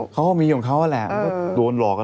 เค้ามีของเค้าแหละมรวมหลอกันไปอะ